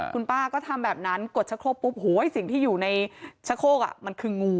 คุณป้าก็ทำแบบนั้นกดชะโครกปุ๊บโหยสิ่งที่อยู่ในชะโครกมันคืองู